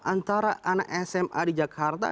antara anak sma di jakarta